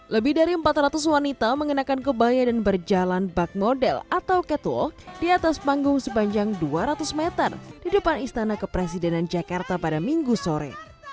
lebih dari empat ratus wanita mengenakan kebaya dan berjalan bak model atau ketul di atas panggung sepanjang dua ratus meter di depan istana kepresidenan jakarta pada minggu sore